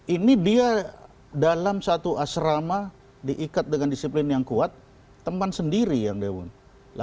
ini dia dalam satu asrama diikat dengan disiplin yang kuat teman sendiri yang dewan